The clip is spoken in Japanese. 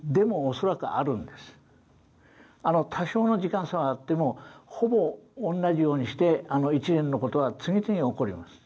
多少の時間差はあってもほぼ同じようにしてあの一連の事は次々起こります。